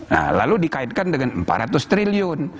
nah lalu dikaitkan dengan empat ratus triliun